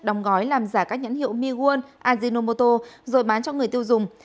đóng gói làm giả các nhãn hiệu miwon ajinomoto rồi bán cho người tiêu dùng